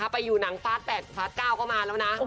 ไปอยู่หนังพาร์ทแปดพาร์ทเก้าก็มาแล้วนะ